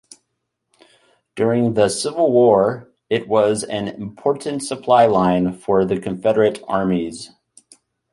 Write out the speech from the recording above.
During the Civil War, it was an important supply line for the Confederate armies.